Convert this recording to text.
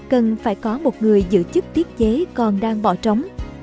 cần phải có một người giữ chức tiết chế còn đang bỏ trống